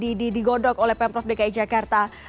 dan ini digodok oleh pemprov dki jakarta